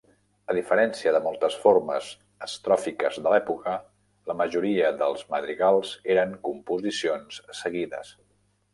A diferència de moltes formes estròfiques de l'època, la majoria dels madrigals eren composicions seguides.